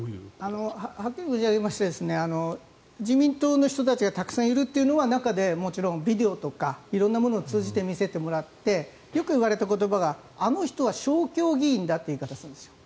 はっきり申し上げまして自民党の人たちがたくさんいるというのは中でもちろんビデオとか色んなものを通じて見せてもらってよく言われた言葉があの人は勝共議員だという言い方をするんです。